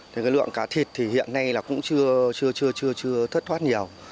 thế cái lượng cá thịt thì hiện nay là cũng chưa chưa chưa chưa chưa thất thoát nhiều